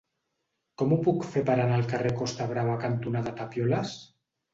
Com ho puc fer per anar al carrer Costa Brava cantonada Tapioles?